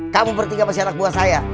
kamu bertiga masih anak buah saya